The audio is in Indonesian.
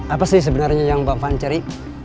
apa sih sebenarnya yang bang faang cari